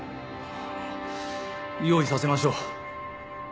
用意させましょう。